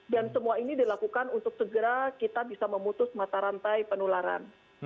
dan semua ini dilakukan untuk segera kita bisa memutus mata rantai penularan